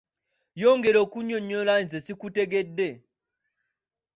Yongera okunyinyonyola nze sikutegedde.